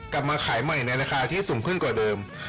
กลับมาขายใหม่ในราคาที่สูงขึ้นกว่าเดิม